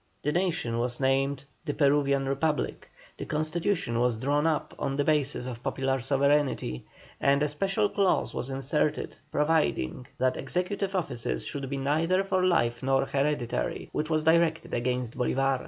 The nation was named "The Peruvian Republic;" the constitution was drawn up on the basis of popular sovereignty, and a special clause was inserted providing that executive offices should be neither for life nor hereditary, which was directed against Bolívar.